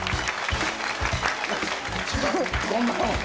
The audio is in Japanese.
こんばんは。